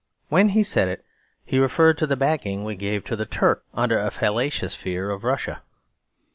When he said it, he referred to the backing we gave to the Turk under a fallacious fear of Russia.